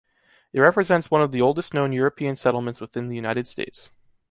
It represents one of the oldest known European settlements within the United States.